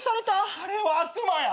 あれは悪魔や。